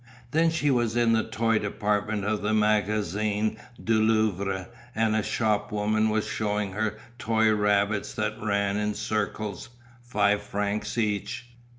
Then she was in the toy department of the Magazin du Louvre and a shop woman was shewing her toy rabbits that ran in circles, five francs each.